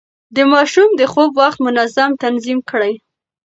د ماشوم د خوب وخت منظم تنظيم کړئ.